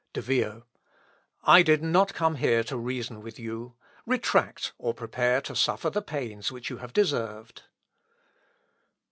De Vio. "I did not come here to reason with you. Retract, or prepare to suffer the pains which you have deserved."